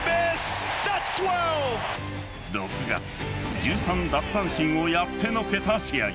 ６月１３奪三振をやってのけた試合。